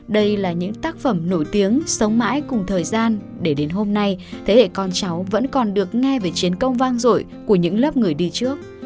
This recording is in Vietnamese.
đây là những tác phẩm nổi tiếng sống mãi cùng thời gian để đến hôm nay thế hệ con cháu vẫn còn được nghe về chiến công vang dội của những lớp người đi trước